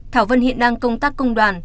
thảo vân hiện đang công tác công đoàn